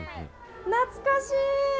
懐かしい！